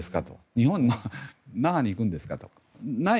日本の那覇に行くんですかと。